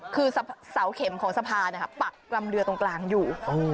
คือเสาเข็มของสะพานปักกำเรือตรงกลางอยู่